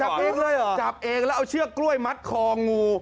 จับเองเลยเหรอจับเองแล้วเอาเชือกกล้วยมัดคองู